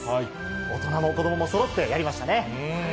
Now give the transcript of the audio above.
大人も子どももそろってやりましたね。